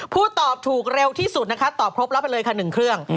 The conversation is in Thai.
ตอบถูกเร็วที่สุดนะคะตอบครบแล้วไปเลยค่ะ๑เครื่อง